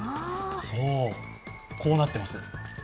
そう、こうなってます。